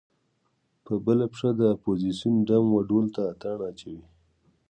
په بله پښه د اپوزیسون ډم و ډول ته اتڼ اچوي.